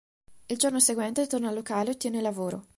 Il giorno seguente torna al locale e ottiene il lavoro.